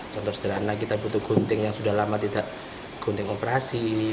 contoh sederhana kita butuh gunting yang sudah lama tidak gunting operasi